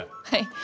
はい。